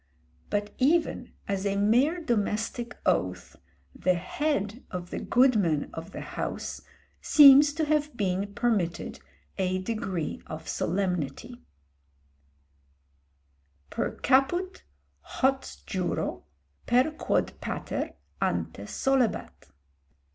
But even as a mere domestic oath, the head of the goodman of the house seems to have been permitted a degree of solemnity "Per caput hoc juro, per quod pater ante solebat."